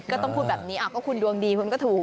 ก็ต้องพูดแบบนี้ก็คุณดวงดีคุณก็ถูก